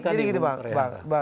jadi gini bang